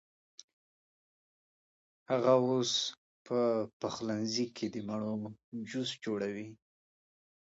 هغه اوس په پخلنځي کې د مڼو جوس جوړوي.